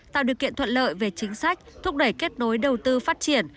tạo điều kiện thuận lợi về chính sách thúc đẩy kết nối đầu tư phát triển